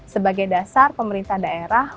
sebagai dasar pemerintah daerah